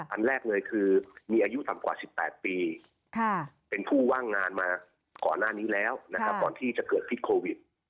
อันแรกเลยคือมีอายุต่ำกว่า๑๘ปีเป็นผู้ว่างงานมาก่อนหน้านี้แล้วนะครับก่อนที่จะเกิดพิษโควิด